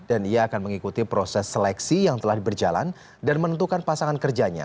dan ia akan mengikuti proses seleksi yang telah diberjalan dan menentukan pasangan kerjanya